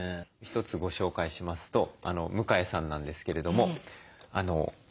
一つご紹介しますと向江さんなんですけれども今月ですね